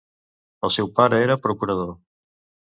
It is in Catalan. El seu pare era procurador.